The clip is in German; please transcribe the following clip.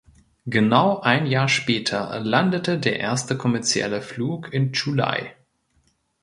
Genau ein Jahr später landete der erste kommerzielle Flug in Chu Lai.